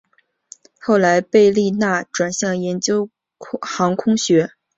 后来贝利纳转向研究航空学。